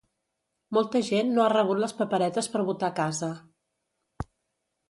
Molta gent no ha rebut les paperetes per votar a casa